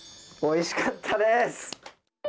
おいしかったです。